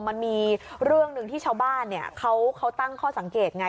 มันมีเรื่องหนึ่งที่ชาวบ้านเขาตั้งข้อสังเกตไง